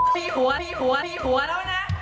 พี่หัวแล้วนะ